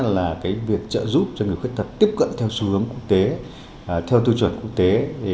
là việc trợ giúp cho người khuyết tật tiếp cận theo xu hướng quốc tế theo tiêu chuẩn quốc tế